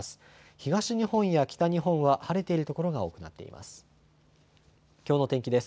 東日本や北日本は晴れている所が多くなっています。